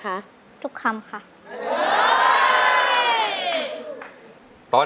เพลงที่๒มาเลยครับ